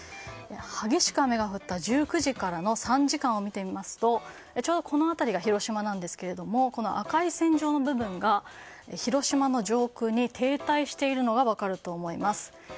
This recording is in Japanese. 激しく雨が降った１９時からの３時間を見てみますと広島なんですけども赤い線状の部分が広島の上空に停滞しているのが分かると思います。